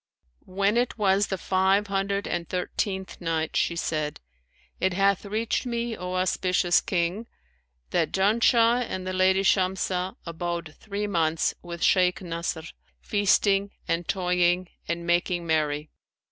When it was the Five Hundred and Thirteenth Night, She said, It hath reached me, O auspicious King, that, "Janshah and the lady Shamsah abode three months with Shaykh Nasr, feasting and toying and making merry.